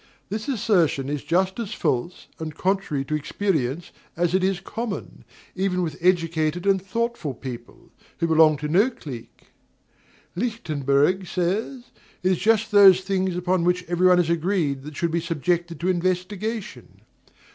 This assertion is just as false and contrary to experience as it is common, even with educated and thoughtful people, who belong to no clique. Lichtenburg says: "It is just those things upon which everybody is agreed that should be subjected to investigation."